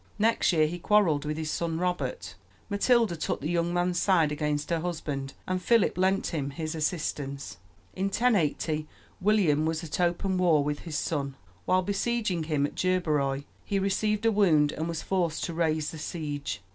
Next year he quarrelled with his son Robert. Matilda took the young man's side against her husband, and Philip lent him his assistance. In 1080 William was at open war with his son. While besieging him at Gerberoi he received a wound and was forced to raise the siege.